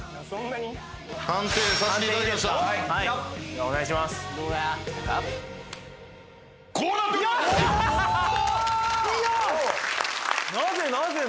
なぜ？